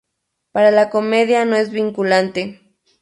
Para la comedia no es vinculante.